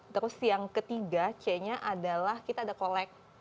terus yang ketiga c nya adalah kita ada kolek